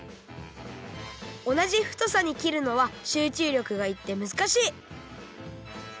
おなじふとさにきるのはしゅうちゅうりょくがいってむずかしい！